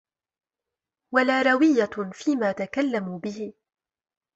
وَلَا رَوِيَّةٌ فِيمَا تَكَلَّمُوا بِهِ